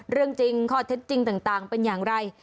เรื่องจริงข้อเท็จจริงต่างเป็นอย่างไร